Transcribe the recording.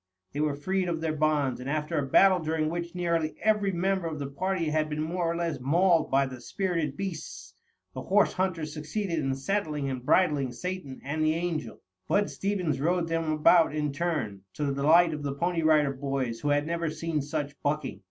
They were freed of their bonds, and after a battle during which nearly every member of the party had been more or less mauled by the spirited beasts, the horse hunters succeeded in saddling and bridling Satan and the Angel. Bud Stevens rode them about in turn, to the delight of the Pony Rider Boys who had never seen such bucking.